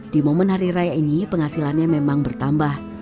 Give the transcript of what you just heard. di momen hari raya ini penghasilannya memang bertambah